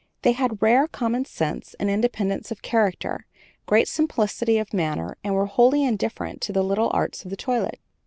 They had rare common sense and independence of character, great simplicity of manner, and were wholly indifferent to the little arts of the toilet.